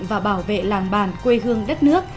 và bảo vệ làng bản quê hương đất nước